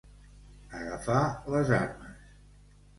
Agafar les armes.